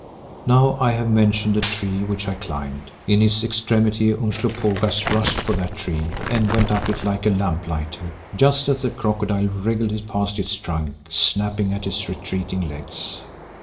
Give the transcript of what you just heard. Now I have mentioned a tree which I climbed. In his extremity Umslopogaas rushed for that tree and went up it like a lamplighter, just as the crocodile wriggled past its trunk, snapping at his retreating legs.